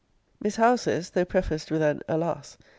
Miss Howe says, though prefaced with an alas!